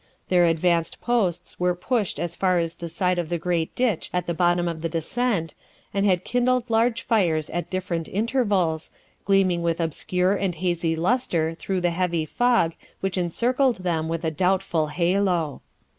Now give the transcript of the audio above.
Their advanced posts were pushed as far as the side of the great ditch at the bottom of the descent, and had kindled large fires at different intervals, gleaming with obscure and hazy lustre through the heavy fog which encircled them with a doubtful halo.